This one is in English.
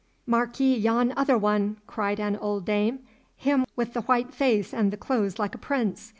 'Mark ye yon other one,' cried an old dame, 'him wi' the white face an' the clothes like a prince.